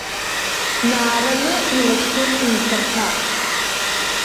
Наараны илашьҭын имхырҭа.